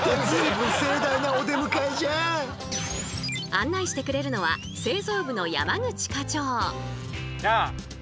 案内してくれるのは製造部の山口課長。